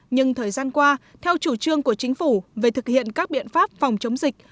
nhưng thời gian qua theo chủ trương của chính phủ về thực hiện các biện pháp phòng chống dịch